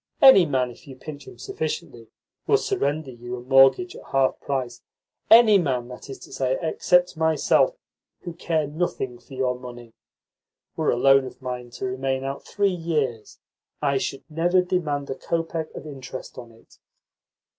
Any man, if you pinch him sufficiently, will surrender you a mortgage at half price, any man, that is to say, except myself, who care nothing for your money. Were a loan of mine to remain out three years, I should never demand a kopeck of interest on it."